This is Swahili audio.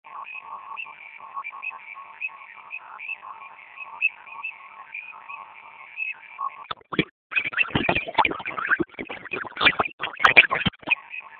vifaa vinavyahitajika katika kupika viazi lishe